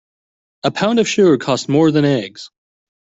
A pound of sugar costs more than eggs.